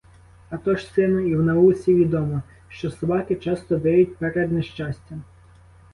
Атож, сину, і в науці відомо, що собаки часто виють перед нещастям.